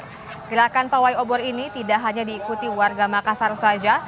gerakan pawai obor ini tidak hanya diikuti warga makassar saja